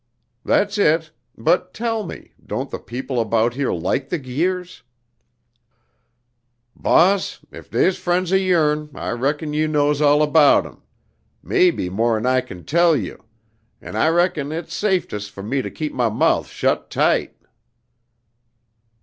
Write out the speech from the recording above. "That's it; but tell me, don't the people about here like the Guirs?" "Boss, ef dey's frens o' yourn, I reckon you knows all about 'em; maybe more'n I kin tell you, and I reckon it's saiftest for me to keep my mouf shet tight!"